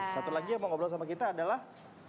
satu lagi yang mau ngobrol sama kita adalah